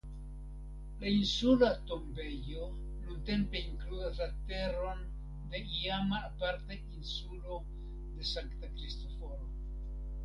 La insula tombejo nuntempe inkludas la teron de iama aparta insulo de Sankta Kristoforo.